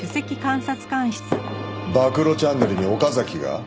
暴露チャンネルに岡崎が？